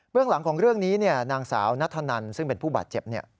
เรื่องหลังของเรื่องนี้นางสาวนัทธนันซึ่งเป็นผู้บาดเจ็บ